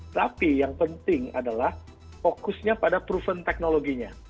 tapi yang penting adalah fokusnya pada proven teknologinya